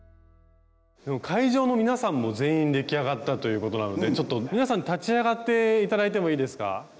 会場の皆さんも全員出来上がったということなので皆さん立ち上がって頂いてもいいですか？